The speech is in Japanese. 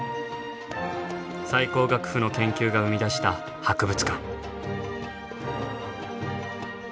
最高学府の研究が生み出した博物館。